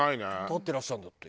立ってらっしゃるんだって。